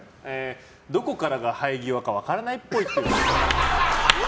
どこからが生え際か分からないっぽい。